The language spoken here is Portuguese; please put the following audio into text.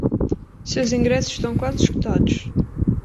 Seus ingressos estão quase esgotados.